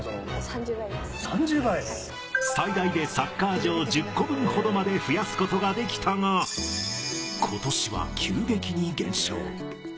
最大でサッカー場１０個分ほどまで増やすことができたが今年は急激に減少。